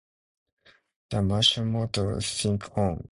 The Maclellan Motto: Think on.